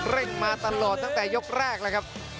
เร่งมาตลอดตั้งแต่ยกแรกแล้ว